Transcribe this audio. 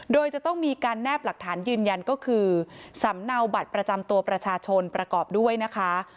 โดยจะต้องมีการแนบหลักฐานยืนยันก็คือสำเนาบัตรประจำตัวประชาชนประกอบด้วยนะคะ